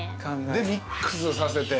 でミックスさせて。